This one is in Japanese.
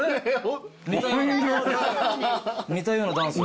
似たようなダンス。